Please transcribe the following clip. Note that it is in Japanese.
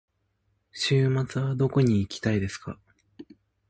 週末はどこに行きたいですか。